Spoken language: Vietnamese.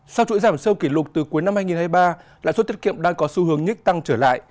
sau chuỗi giảm sâu kỷ lục từ cuối năm hai nghìn hai mươi ba lãi suất tiết kiệm đang có xu hướng nhích tăng trở lại